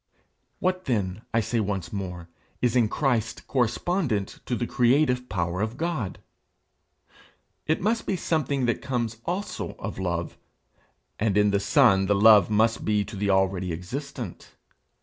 What then, I say once more, is in Christ correspondent to the creative power of God? It must be something that comes also of love; and in the Son the love must be to the already existent.